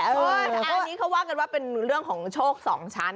อันนี้เขาว่ากันว่าเป็นเรื่องของโชค๒ชั้น